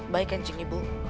baik cik ibu